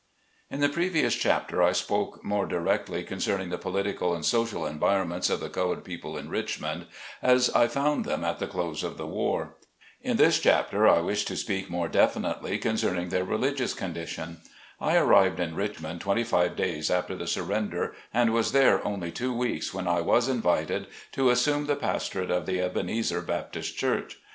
IN the previous chapter I spoke more directly concerning the political and social environ ments of the colored people in Richmond, as I found them at the close of the war. In this chapter I wish to speak more definitely concerning their religious condition. I arrived in Richmond twenty five days after the surrender, and was there only two weeks when I was invited to assume the pastorate of the Ebenezer Baptist Church.